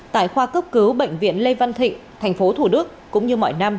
tại khoa cấp cứu bệnh viện lê văn thịnh tp hcm cũng như mọi năm